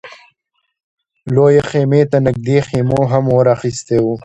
لويې خيمې ته نږدې خيمو هم اور اخيستی و.